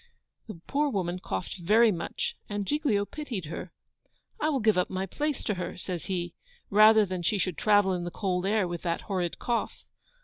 The poor woman coughed very much, and Giglio pitied her. 'I will give up my place to her,' says he, 'rather than she should travel in the cold air with that horrid cough.